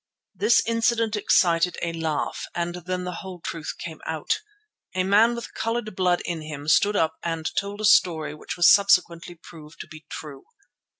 This incident excited a laugh, and then the whole truth came out. A man with coloured blood in him stood up and told a story which was subsequently proved to be true.